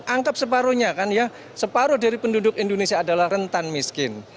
anggap separuhnya kan ya separuh dari penduduk indonesia adalah rentan miskin